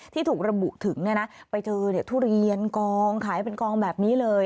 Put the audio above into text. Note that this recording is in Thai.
ที่ถูกระบุถึงไปเจอทุเรียนกองขายเป็นกองแบบนี้เลย